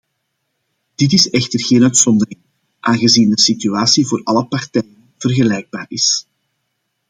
Dit is echter geen uitzondering, aangezien de situatie voor alle partijen vergelijkbaar is.